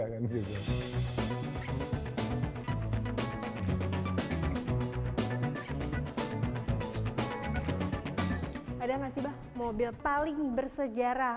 ada gak sih mbah mobil paling bersejarah